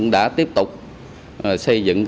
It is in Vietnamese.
đã tiếp tục xây dựng